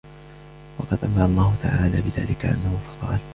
وَقَدْ أَنْبَأَ اللَّهُ تَعَالَى بِذَلِكَ عَنْهُ فَقَالَ